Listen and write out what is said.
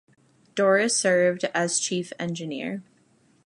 Dorris served as chief engineer.